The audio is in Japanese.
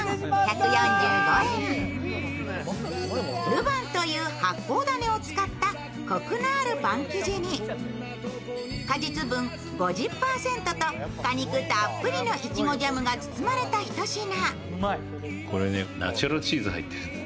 ルヴァンという発酵種を使ったコクのあるパン生地に果実分５０％と果肉たっぷりのいちごジャムが包まれたひと品。